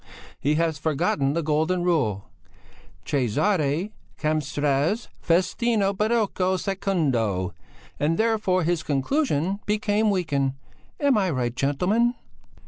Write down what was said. He has forgotten the golden rule: Cæsare camestres festino baroco secundo; and therefore his conclusion became weakened. Am I right gentlemen?"